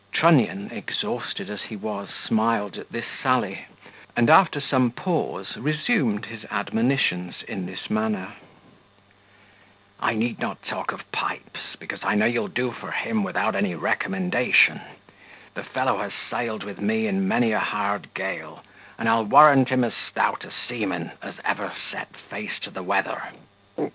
Trunnion, exhausted as he was, smiled at this sally, and, after some pause, resumed his admonitions in this manner: "I need not talk of Pipes, because I know you'll do for him without any recommendation; the fellow has sailed with me in many a hard gale, and I'll warrant him as stout a seaman as ever set face to the weather.